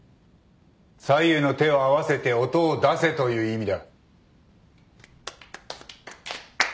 左右の手を合わせて音を出せという意味だ。